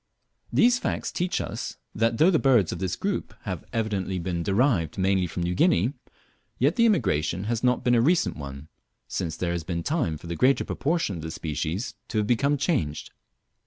These facts teach us, that though the birds of this group have evidently been derived mainly from New Guinea, yet the immigration has not been a recent one, since there has been time for the greater portion of the species to have become changed.